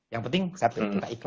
yang penting satu kita ikut